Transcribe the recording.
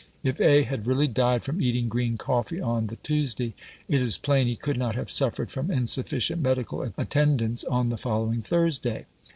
If A. had really died from eating green coffee on the Tuesday, it is plain he could not have suffered from insufficient medical attendance on the following Thursday.